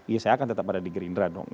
ya saya akan tetap ada di gerindra dong